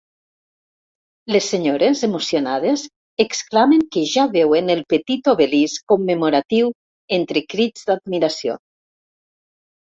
Les senyores, emocionades, exclamen que ja veuen el petit obelisc commemoratiu entre crits d'admiració.